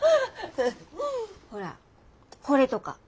ほらこれとか。